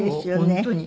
本当に。